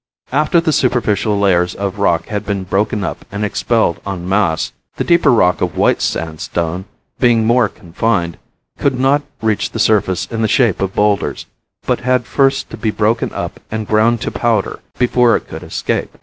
After the superficial layers of rock had been broken up and expelled en masse, the deeper rock of white sandstone, being more confined, could not reach the surface in the shape of boulders, but had first to be broken up and ground to powder before it could escape.